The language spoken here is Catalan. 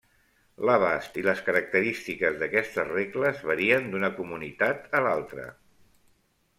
L'abast i les característiques d'aquestes regles varien d'una comunitat a l'altra.